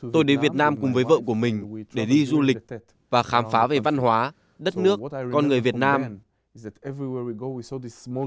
tôi đến việt nam cùng với vợ của mình để đi du lịch và khám phá về văn hóa đất nước con người việt nam